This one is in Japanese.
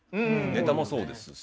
ネタもそうですし。